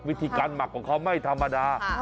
วิธีการหมักของเขาไม่ธรรมดา